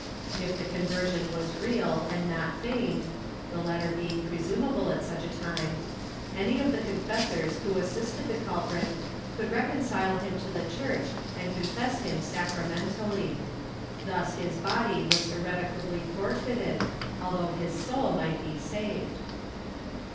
If the conversion was real and not feigned — the latter being presumable at such a time — any of the confessors who assisted the culprit could reconcile him to the church and confess him sacramentally.^ Thus his body was irrevocably for feited, although his soul might be saved.